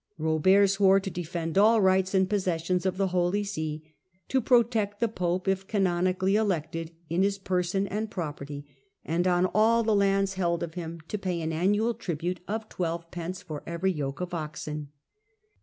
Bobert swore to defend all rights and possessions of the Holy See, to protect the pope, if canonically elected, in his person and property, and on all the lands held of him ;3 HlLDBBHAND to pay an annual tribute of twelve pence for every yoke of oxen.